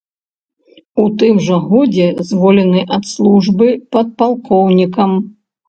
У тым жа годзе звольнены ад службы падпалкоўнікам.